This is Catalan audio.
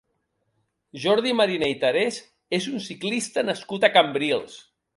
Jordi Mariné i Tarés és un ciclista nascut a Cambrils.